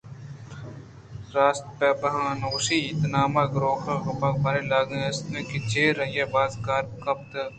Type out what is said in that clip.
راست بِہ نہ گوٛشیت نام ءِ گِروک باغپانے ءَ لاگے است اَت کہ چرآئی ءَ بازکارے گپت